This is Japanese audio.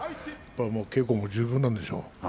稽古も十分なんでしょう。